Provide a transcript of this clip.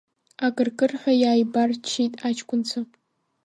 Акыркырҳәа иааибарччеит аҷкәынцәа.